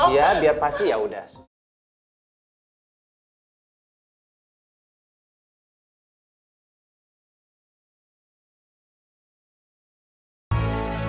membalas kamu dengan meneror mental kamu